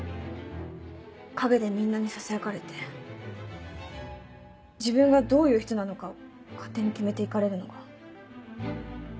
陰でみんなにささやかれて自分がどういう人なのかを勝手に決めていかれるのが。